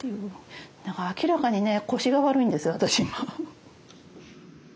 だから明らかにね腰が悪いんです私今。